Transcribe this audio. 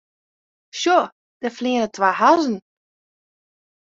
Sjoch, dêr fleane twa hazzen.